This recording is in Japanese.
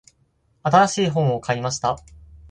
新しい本を買いました。